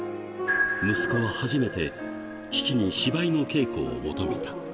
息子は初めて父に芝居の稽古を求めた。